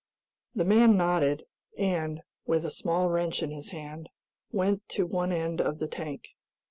The man nodded, and, with a small wrench in his hand, went to one end of the tank.